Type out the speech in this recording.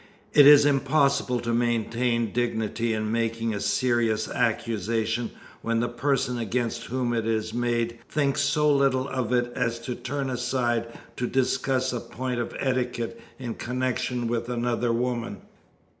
It is impossible to maintain dignity in making a serious accusation when the person against whom it is made thinks so little of it as to turn aside to discuss a point of etiquette in connection with another woman.